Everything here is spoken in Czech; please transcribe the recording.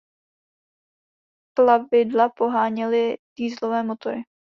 Plavidla poháněly dieselové motory.